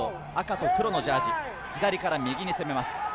赤と黒のジャージー、左から右に攻めます。